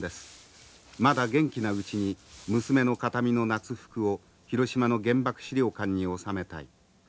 まだ元気なうちに娘の形見の夏服を広島の原爆資料館に収めたい。